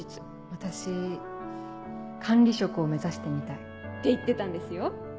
私管理職を目指してみたいって言ってたんですよ。